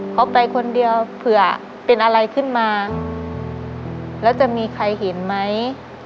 เขาไปคนเดียวเผื่อเป็นอะไรขึ้นมาแล้วจะมีใครเห็นไหม